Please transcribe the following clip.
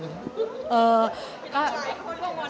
คืนเชิญทุกคนต้องงอน